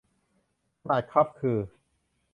ขนาดคัพคือ